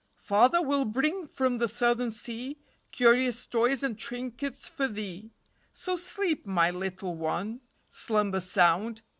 Father will bring from the Southern sea Curious toys and trinkets for thee; So sleep, my little one, Slumber sound.